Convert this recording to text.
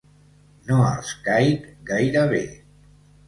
No els caic gaire bé.